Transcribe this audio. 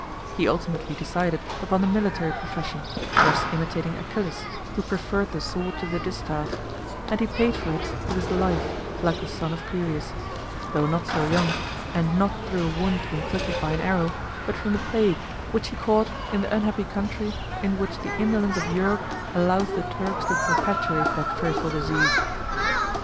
He ultimately decided upon the military profession, thus imitating Achilles, who preferred the sword to the distaff, and he paid for it with his life like the son of Peleus; though not so young, and not through a wound inflicted by an arrow, but from the plague, which he caught in the unhappy country in which the indolence of Europe allows the Turks to perpetuate that fearful disease.